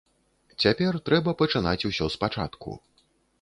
Цяпер трэба пачынаць усё спачатку.